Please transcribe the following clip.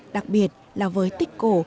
đặc biệt là với tích cổ